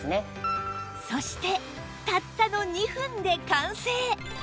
そしてたったの２分で完成